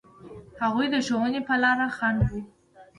هغوی د ښوونې په لاره خنډ و.